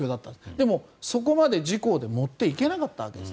でも、そこまで自公で持っていかなかったわけです。